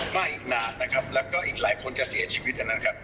มาอีกนานนะครับแล้วก็อีกหลายคนจะเสียชีวิตนะครับ